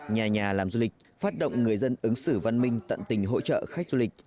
nhà nhà làm du lịch phát động người dân ứng xử văn minh tận tình hỗ trợ khách du lịch